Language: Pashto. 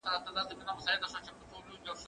کېدای سي کتابونه ستړي وي!